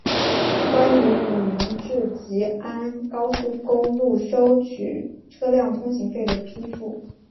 关于武宁至吉安高速公路收取车辆通行费的批复